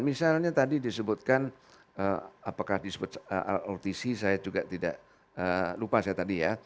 misalnya tadi disebutkan apakah disebut lrtc saya juga tidak lupa saya tadi ya